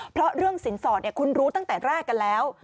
เพราะเรื่องสินสอดคุณรู้ตั้งแต่แรกกันแล้ว